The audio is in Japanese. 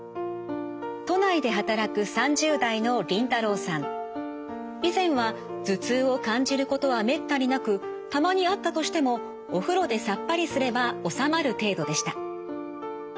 都内で働く以前は頭痛を感じることはめったになくたまにあったとしてもお風呂でさっぱりすれば治まる程度でした。